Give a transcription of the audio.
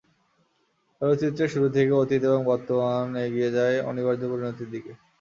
চলচ্চিত্রের শুরু থেকে অতীত এবং বর্তমান এগিয়ে যায় অনিবার্য পরিণতির দিকে।